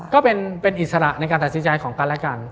ก็เป็นอิสระในการตัดสินใจของกันและกัน